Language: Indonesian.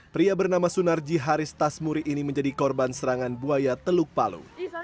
pria bernama sunarji haris tasmuri ini menjadi korban serangan buaya teluk palu